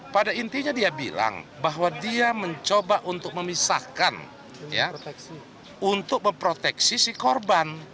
pada intinya dia bilang bahwa dia mencoba untuk memisahkan untuk memproteksi si korban